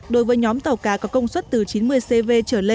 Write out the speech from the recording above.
đối với nhóm tàu cá có công suất từ chín mươi cv